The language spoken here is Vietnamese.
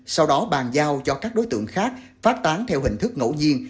sau đó bàn giao cho các đối tượng khác phát tán theo hình thức ngẫu nhiên